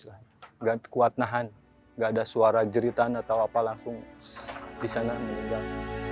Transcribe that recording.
nggak kuat nahan gak ada suara jeritan atau apa langsung di sana meninggal